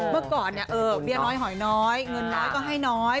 เมื่อก่อนเนี่ยเบียร์น้อยหอยน้อยเงินน้อยก็ให้น้อย